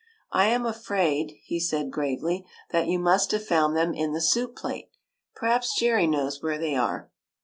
" I am afraid," he said gravely, '* that you must have found them in the soup plate. Perhaps Jerry knows where they are."